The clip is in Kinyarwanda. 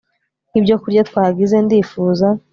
Nkibyokurya twagize Ndifuza